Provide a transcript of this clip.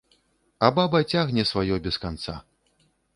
А баба цягне сваё без канца.